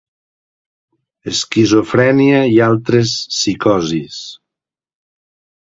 Esquizofrènia i altres psicosis.